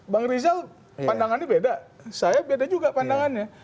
bang rizal pandangannya beda saya beda juga pandangannya